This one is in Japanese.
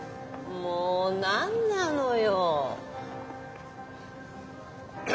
もう何なのよ。